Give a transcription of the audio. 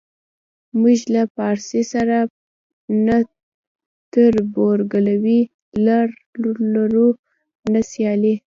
موږ له پارسي سره نه تربورګلوي لرو نه سیالي.